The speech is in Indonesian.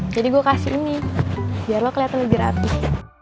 jadi gue kasih ini biar lo keliatan lebih rapih